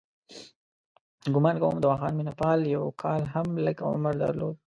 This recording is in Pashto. ګومان کوم دواخان مینه پال یو کال هم لږ عمر درلود.